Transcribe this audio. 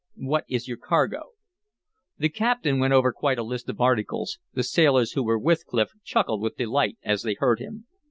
What is your cargo?" The captain went over quite a list of articles; the sailors who were with Clif chuckled with delight as they heard him.